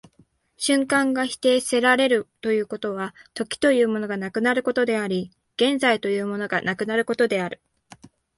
瞬間が否定せられるということは、時というものがなくなることであり、現在というものがなくなることである。